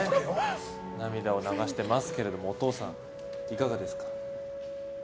涙を流していますけれどお父さん、いかがですか。